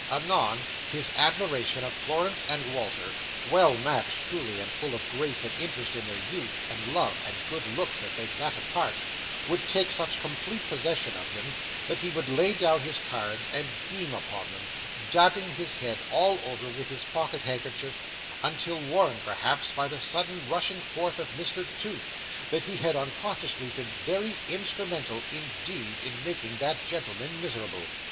Anon, his admiration of Florence and Walter—well matched, truly, and full of grace and interest in their youth, and love, and good looks, as they sat apart—would take such complete possession of him, that he would lay down his cards, and beam upon them, dabbing his head all over with his pocket handkerchief; until warned, perhaps, by the sudden rushing forth of Mr Toots, that he had unconsciously been very instrumental, indeed, in making that gentleman miserable.